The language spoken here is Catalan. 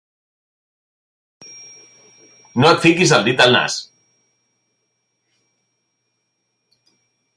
No et fiquis el dit al nas!